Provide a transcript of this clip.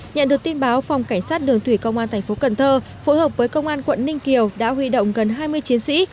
nhận được tin báo phòng cảnh sát đường thủy công an thành phố cần thơ phối hợp với công an quận ninh kiều đã huy động gần hai mươi chiến sĩ